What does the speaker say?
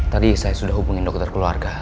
tadi saya sudah hubungin dokter keluarga